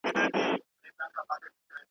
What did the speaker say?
هم جوګي وو هم دروېش هم قلندر وو.